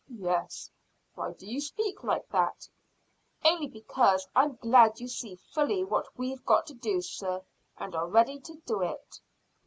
"Yes; why do you speak like that?" "Only because I'm glad you see fully what we've got to do, sir, and are ready to do it."